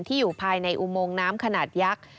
อยู่ภายในอุโมงน้ำขนาดยักษ์